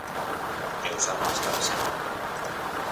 E usar mascara sempre.